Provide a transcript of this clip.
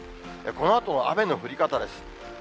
このあとの雨の降り方です。